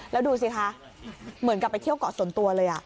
แล้วดูสิคะเหมือนกับไปเที่ยวเกาะส่วนตัวเลย